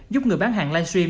giúp người bán hàng live stream